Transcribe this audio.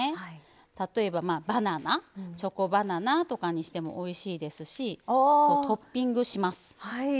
例えば、バナナチョコバナナとかにしてもおいしいですしトッピングします。